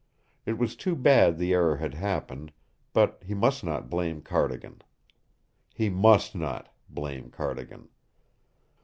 It was too bad the error had happened. But he must not blame Cardigan! HE MUST NOT BLAME CARDIGAN!